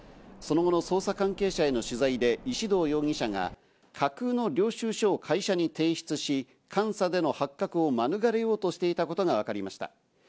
その後の捜査関係者への取材で石動容疑者が架空の領収書を会社に提出し、監査での発覚を免れようとしていたことがわかりました。